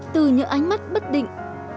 từ những ánh mắt bất định